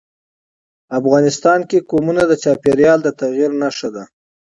افغانستان کې قومونه د چاپېریال د تغیر نښه ده.